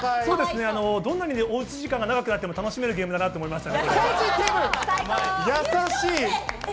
どんなにおうち時間が長くなっても、楽しめるゲームだと思いました。